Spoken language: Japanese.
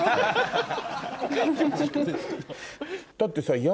だってさ。